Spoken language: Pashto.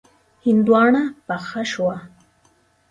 هندواڼه پخه شوه.